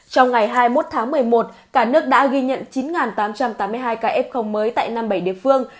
trong ngày hai mươi một tháng một mươi một cả nước đã ghi nhận chín tám trăm tám mươi hai ca f mới tại năm mươi bảy địa phương